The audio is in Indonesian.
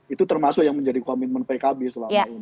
itu termasuk yang menjadi komitmen pkb selama ini